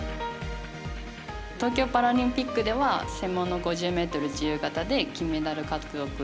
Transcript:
東京パラリンピックでは専門の５０ｍ自由形で金メダル獲得。